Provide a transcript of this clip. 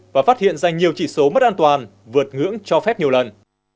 và phát hiện ra nhiều chỉ số mất an toàn vượt ngưỡng cho phép nhiều lần